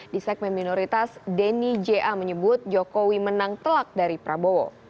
di segmen minoritas denny ja menyebut jokowi menang telak dari prabowo